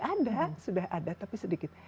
ada sudah ada tapi sedikit